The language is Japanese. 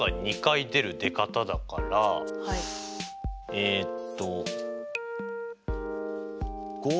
えっと。